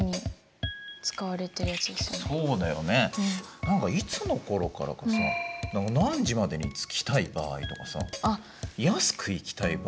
何かいつの頃からかさ何時までに着きたい場合とかさ安く行きたい場合とかさ増えたよね。